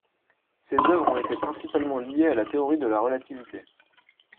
Ses œuvres ont été principalement liées à la théorie de la relativité.